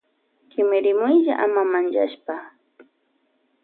Kimirimuylla ama manchashpa.